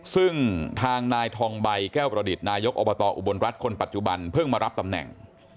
ซึ่งทางนายทองใบแก้วประดิษฐ์นายกอบตอุบลรัฐคนปัจจุบันเพิ่งมารับตำแหน่ง